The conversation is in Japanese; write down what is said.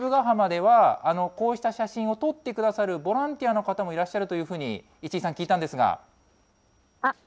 浜では、こうした写真を撮ってくださるボランティアの方もいらっしゃるというふうそうです。